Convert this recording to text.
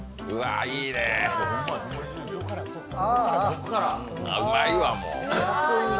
あ、うまいわ、もう。